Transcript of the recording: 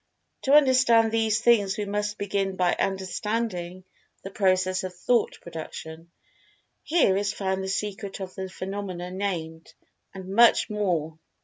To understand these things we must begin by understanding the Process of Thought production. Here is found the Secret of the phenomena named, and much more.